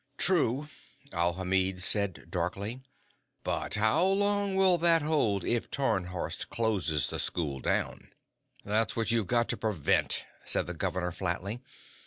"True," Alhamid said darkly, "but how long will that hold if Tarnhorst closes the school down?" "That's what you've got to prevent," said the governor flatly.